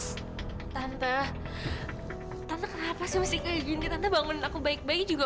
hai tante tante kenapa sih masih kayak gini nanti bangun aku baik baik juga